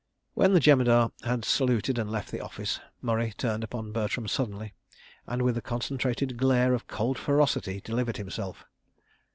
When the Jemadar had saluted and left the office, Murray turned upon Bertram suddenly, and, with a concentrated glare of cold ferocity, delivered himself.